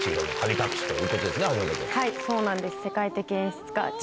はいそうなんです世界的演出家